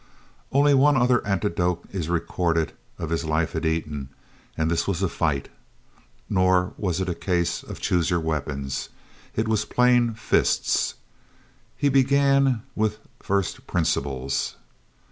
Only one other anecdote is recorded of his life at Eton, and this was a fight! Nor was it a case of choose your weapons it was plain fists. He began with first principles.